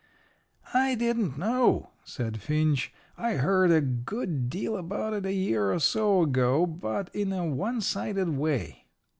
"I didn't know," said Finch. "I heard a good deal about it a year or so ago, but in a one sided way."